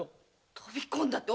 飛び込んだって。